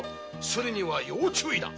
スリには要注意だ。